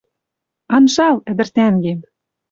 Анжал, ӹдӹр тӓнгем